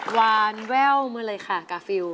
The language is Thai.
หวานแว้วเมื่อเลยค่ะกาฟิล